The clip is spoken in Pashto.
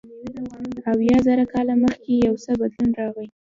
اویا زره کاله مخکې یو څه بدلون راغی.